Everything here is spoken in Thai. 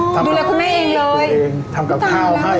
ดูแลคุณแม่เองเลย